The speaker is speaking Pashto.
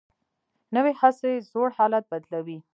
نوې هڅه زوړ حالت بدلوي